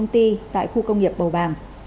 tại khu công nghiệp bầu bàng